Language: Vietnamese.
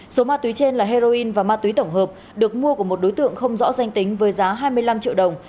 số ma túy trên là heroin và ma túy tổng hợp được mua của một đối tượng không rõ danh tính với giá hai mươi năm triệu đồng